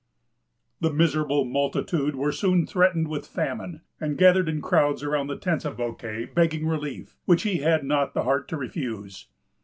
The miserable multitude were soon threatened with famine, and gathered in crowds around the tents of Bouquet, begging relief, which he had not the heart to refuse.